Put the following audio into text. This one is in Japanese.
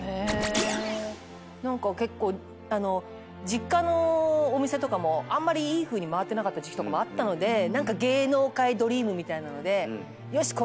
実家のお店とかもあんまりいいふうに回ってなかった時期とかもあったので何か芸能界ドリームみたいなのでよしっ！